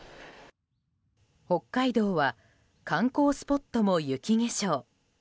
北海道は観光スポットも雪化粧。